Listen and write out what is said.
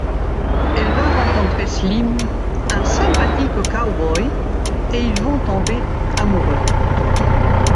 Elle va rencontrer Slim, un sympathique cow-boy et ils vont tomber amoureux.